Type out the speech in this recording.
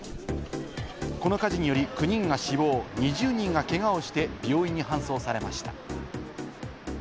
この火事により９人が死亡、２０人がけがをして病院に搬送されました。